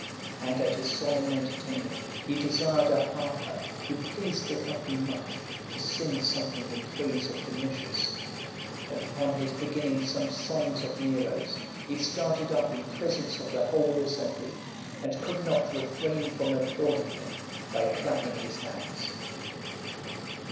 And at a solemn entertainment, he desired a harper who pleased the company much, to sing something in praise of Domitius; and upon his beginning some songs of Nero's, he started up in presence of the whole assembly, and could not refrain from applauding him, by clapping his hands.